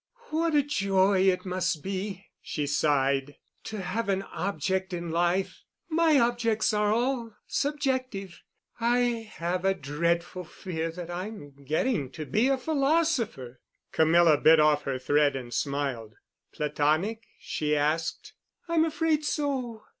"What a joy it must be," she sighed, "to have an object in life. My objects are all subjective. I have a dreadful fear that I'm getting to be a philosopher." Camilla bit off her thread and smiled. "Platonic?" she asked. "I'm afraid so.